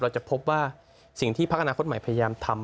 จะพบว่าสิ่งที่พักอนาคตใหม่พยายามทำ